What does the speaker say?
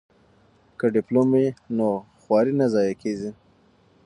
که ډیپلوم وي نو خواري نه ضایع کیږي.